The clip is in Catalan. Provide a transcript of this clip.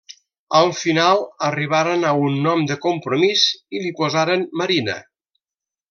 Al final arribaren a un nom de compromís i li posaren Marina.